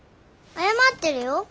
謝ってるよ。